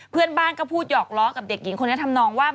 เพื่อนบ้านก็พูดหยอกล้อกับเด็กหญิงคนนี้ทำนองว่า